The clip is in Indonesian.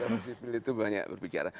jadi sipil itu banyak berbicara